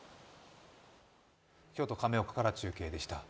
京都・亀岡から中継でした。